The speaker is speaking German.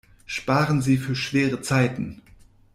Sparen Sie für schwere Zeiten!